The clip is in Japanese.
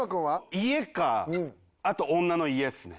家かあと女の家っすね。